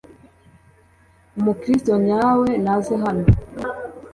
umukiristo nyawe naze hano